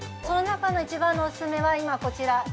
その中の一番のお勧めは今、こちら。